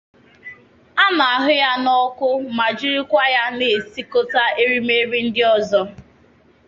a na-ahụ ya n’ọkụ ma jirikwa ya na-esikọta erimeri ndị ọzọ